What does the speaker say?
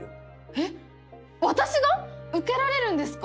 えっ私が！？受けられるんですか？